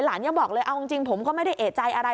ยังบอกเลยเอาจริงผมก็ไม่ได้เอกใจอะไร